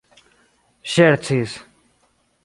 ŝercis